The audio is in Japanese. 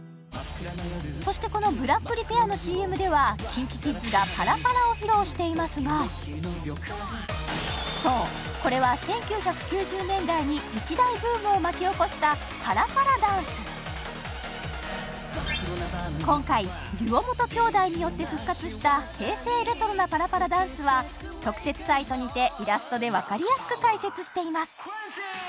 そしてこのブラックリペアのＣＭではＫｉｎＫｉＫｉｄｓがパラパラを披露していますがそうこれは１９９０年代に一大ブームを巻きおこしたパラパラダンス今回デュオ本兄弟によって復活した平成レトロなパラパラダンスは特設サイトにてイラストで分かりやすく解説しています